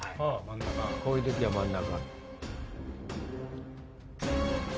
こういう時は真ん中。